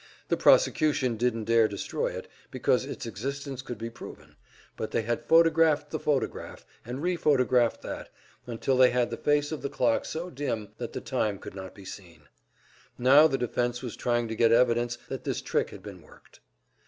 The prosecution didn't dare destroy it, because its existence could be proven; but they had photographed the photograph, and re photographed that, until they had the face of the clock so dim that the time could not be seen. Now the defense was trying to get evidence that this trick had been worked.